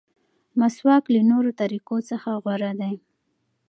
مسواک له نورو طریقو څخه غوره دی.